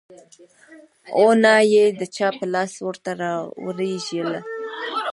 او نه يې د چا په لاس ورته راولېږل .